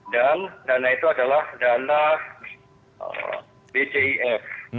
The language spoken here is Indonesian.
dan dana itu adalah dana bjif